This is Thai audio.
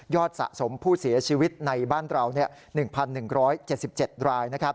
สะสมผู้เสียชีวิตในบ้านเรา๑๑๗๗ราย